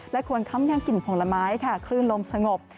ควรค้ำยังกลิ่นผลไม้ค่ะคลื่นลมสงบ